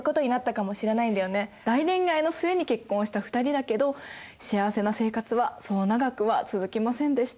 大恋愛の末に結婚した２人だけど幸せな生活はそう長くは続きませんでした。